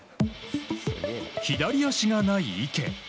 左足がない池。